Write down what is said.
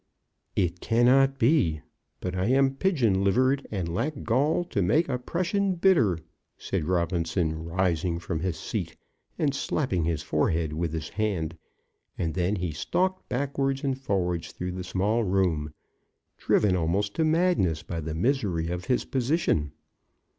"It cannot be, But I am pigeon livered, and lack gall, To make oppression bitter," said Robinson, rising from his seat, and slapping his forehead with his hand; and then he stalked backwards and forwards through the small room, driven almost to madness by the misery of his position.